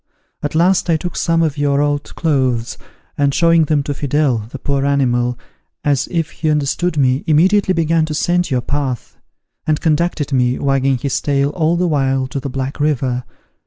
At last I took some of your old clothes, and showing them to Fidele, the poor animal, as if he understood me, immediately began to scent your path; and conducted me, wagging his tail all the while, to the Black River.